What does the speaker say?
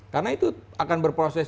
karena itu akan berproses